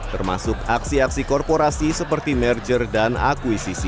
termasuk aksi aksi korporasi seperti merger dan akuisisi